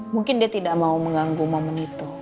mungkin dia tidak mau mengganggu momen itu